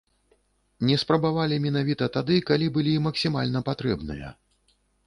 Не спрацавалі менавіта тады, калі былі максімальна патрэбныя.